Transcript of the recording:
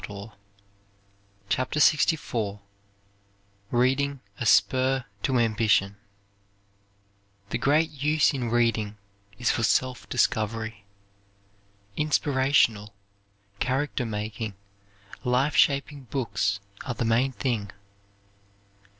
. 100,000 CHAPTER LXIV READING A SPUR TO AMBITION The great use in reading is for self discovery. Inspirational, character making, life shaping books are the main thing.